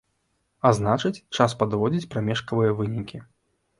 А значыць, час падводзіць прамежкавыя вынікі.